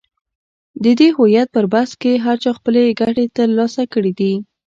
د دې هویت پر بحث کې هر چا خپلې ګټې تر لاسه کړې دي.